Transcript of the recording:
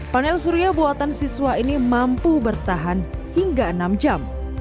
panel surya buatan siswa ini mampu bertahan hingga enam jam